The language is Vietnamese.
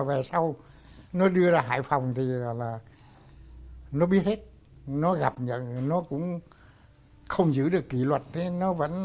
về sau nó đưa ra hải phòng thì là nó biết hết nó gặp nhận nó cũng không giữ được kỷ luật thế nó vẫn